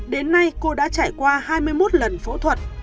đến nay cô đã trải qua hai mươi một lần phẫu thuật